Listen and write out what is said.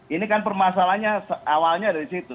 ini kan permasalahannya awalnya dari situ